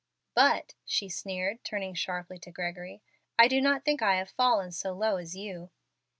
But," she sneered, turning sharply to Gregory, "I do not think I have fallen so low as you."